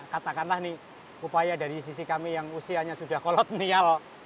katakanlah nih upaya dari sisi kami yang usianya sudah kolonial